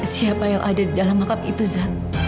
siapa yang ada di dalam makam itu za